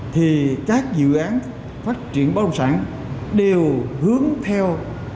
thì các dự án phát triển báo sản đều hướng theo